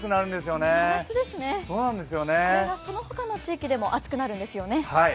これがそのほかの地域でも暑くなるんですよね。